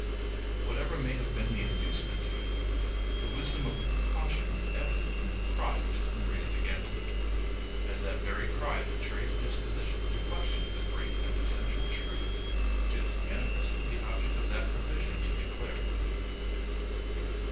Whatever may have been the inducement to it, the wisdom of the precaution is evident from the cry which has been raised against it; as that very cry betrays a disposition to question the great and essential truth which it is manifestly the object of that provision to declare.